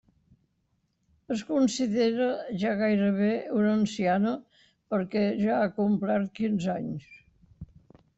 Es considera ja gairebé una anciana perquè ja ha complert quinze anys.